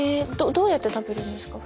どうやって食べるんですか？